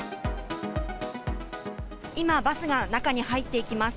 今、バスが中に入っていきます。